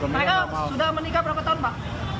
mereka sudah menikah berapa tahun pak